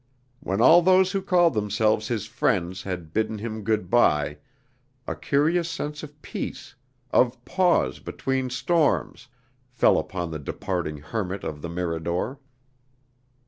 When all those who called themselves his friends had bidden him good by, a curious sense of peace, of pause between storms, fell upon the departing hermit of the Mirador.